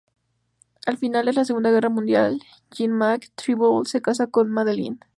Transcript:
Al final de la Segunda Guerra Mundial, Jean-Marc Thibault se casa con Madeleine.